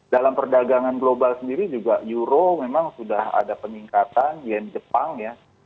dalam perdagangan global sendiri juga euro memang sudah ada peningkatan yen jepang ya